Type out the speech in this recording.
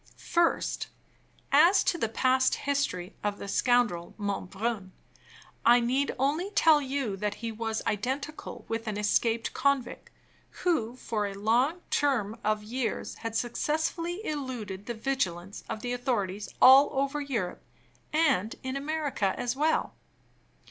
First, as to the past history of the scoundrel Monbrun, I need only tell you that he was identical with an escaped convict, who, for a long term of years, had successfully eluded the vigilance of the authorities all over Europe, and in America as well.